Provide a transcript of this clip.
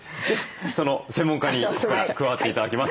その専門家に加わって頂きます。